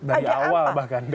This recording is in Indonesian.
dari awal bahkan